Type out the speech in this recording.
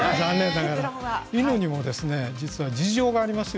犬にも実は事情があります。